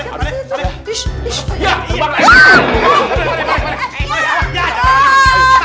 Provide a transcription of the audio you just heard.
acak ayam lu pak dek